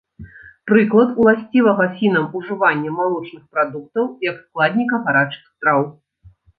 Прыклад уласцівага фінам ўжывання малочных прадуктаў як складніка гарачых страў.